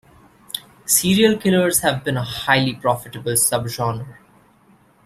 Serial killers have been a highly profitable subgenre.